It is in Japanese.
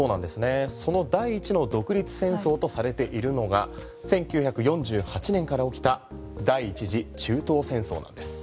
その第１の独立戦争とされているのが１９４８年から起きた第１次中東戦争なんです。